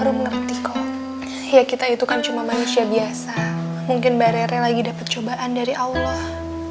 baru mengerti kok ya kita itu kan cuma manusia biasa mungkin mbak rere lagi dapat cobaan dari allah